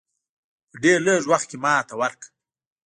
په ډېر لږ وخت کې ماته ورکړه.